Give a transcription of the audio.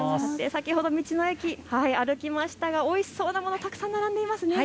先ほど道の駅、歩きましたがおいしそうなもの、たくさん並んでいますね。